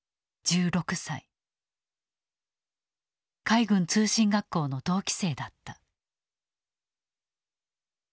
海軍通信学校の同期生だった。